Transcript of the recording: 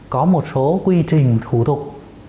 có một số quy trình thủ thuộc